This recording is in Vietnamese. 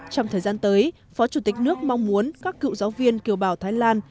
trong thời gian tới phó chủ tịch nước mong muốn các cựu giáo viên kiều bào thái lan